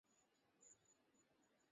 আপনারাই আমার বাবা-মাকে মেরে ফেললেন।